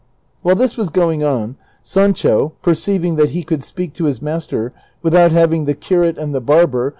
While this was going on, Sancho, perceiving that he could speak to his master without having the curate and the barber.